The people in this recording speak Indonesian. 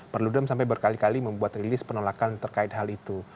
perludem sampai berkali kali membuat rilis penolakan terkait hal itu